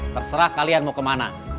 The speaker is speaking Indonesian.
terserah kalian mau kemana